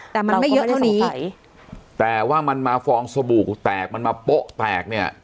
แต่มันไม่เยอะเท่านี้แต่ว่ามันมาฟองสบู่แตกมันมาโป๊ะแตกเนี่ย